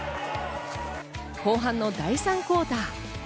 後半の第３クオーター。